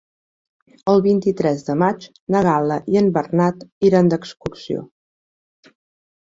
El vint-i-tres de maig na Gal·la i en Bernat iran d'excursió.